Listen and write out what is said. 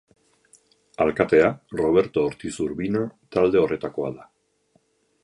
Alkatea, Roberto Ortiz Urbina, talde horretakoa da.